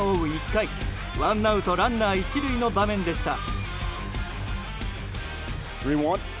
１回ワンアウトランナー１塁の場面でした。